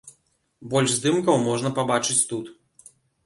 Больш здымкаў можна пабачыць тут.